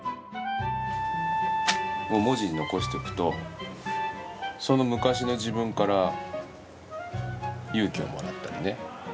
文字に残しておくと、その昔の自分から勇気をもらったりね。